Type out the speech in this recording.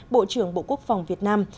bộ trưởng bộ quốc phòng việt nam